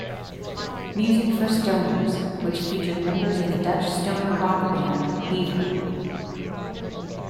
Music for Stoners which featured members of the Dutch stoner rock band Beaver.